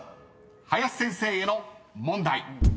［林先生への問題］